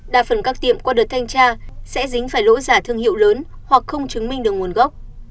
đa phần các tiệm qua đợt thanh tra sẽ dính phải lỗ giả thương hiệu lớn hoặc không chứng minh được nguồn gốc